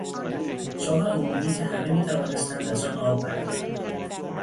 چاه عمومی که همه میتوانستند از آن آب بردارند